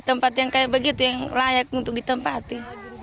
tempat yang kayak begitu yang layak untuk ditempati